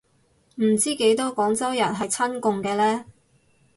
唔知幾多廣州人係親共嘅呢